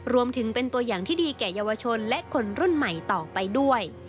รวมถึงเป็นตัวอย่างที่ดีแก่เยาวชนและคนรุ่นใหม่ต่อไปด้วย